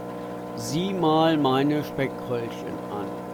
Sieh mal meine Speckröllchen an.